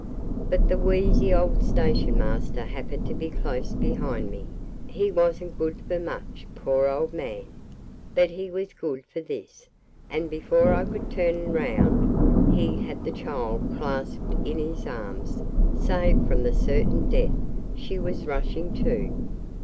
But the wheezy old Station Master happened to be close behind me: he wasn't good for much, poor old man, but he was good for this; and, before I could turn round, he had the child clasped in his arms, saved from the certain death she was rushing to.